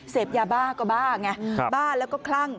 เสพยาบ้าก็บ้าไงบ้าแล้วก็คลั่ง